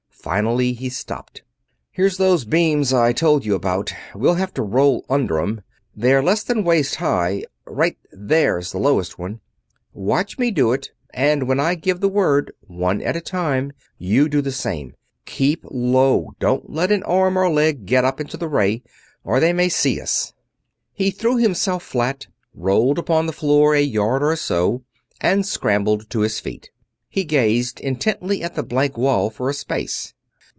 Finally he stopped. "Here's those beams I told you about. We'll have to roll under 'em. They're less than waist high right there's the lowest one. Watch me do it, and when I give you the word, one at a time, you do the same. Keep low don't let an arm or a leg get up into a ray or they may see us." He threw himself flat, rolled upon the floor a yard or so, and scrambled to his feet. He gazed intently at the blank wall for a space.